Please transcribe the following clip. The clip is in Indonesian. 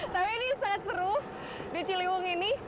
tapi ini sangat seru di ciliwung ini